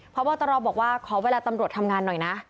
พบตรบอกว่าขอเวลาตำรวจทำงานหน่อยนะ